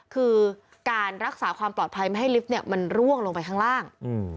คือการรักษาความปลอดภัยไม่ให้ลิฟต์มันร่วงลงไปข้างล่าง